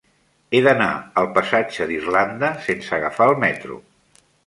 He d'anar al passatge d'Irlanda sense agafar el metro.